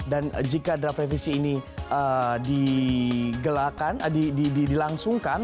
dan jika draft revisi ini dilangsungkan